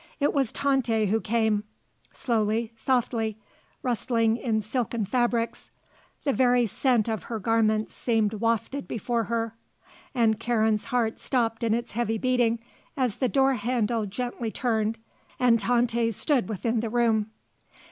It was Tante who came, slowly, softly, rustling in silken fabrics; the very scent of her garments seemed wafted before her, and Karen's heart stopped in its heavy beating as the door handle gently turned and Tante stood within the room.